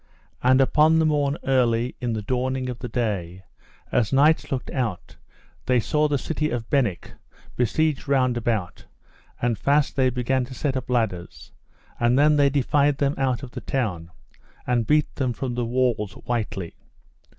And upon the morn early, in the dawning of the day, as knights looked out, they saw the city of Benwick besieged round about; and fast they began to set up ladders, and then they defied them out of the town, and beat them from the walls wightly.